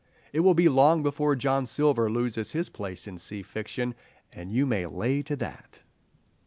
It will be long before John Silver loses his place in sea fiction, "and you may lay to that."